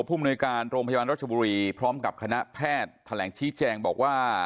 มนุยการโรงพยาบาลรัชบุรีพร้อมกับคณะแพทย์แถลงชี้แจงบอกว่า